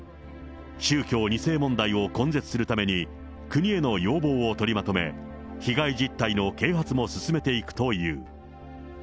宗教２世問題を根絶するために、国への要望を取りまとめ、被害実態の啓発も進めていくという。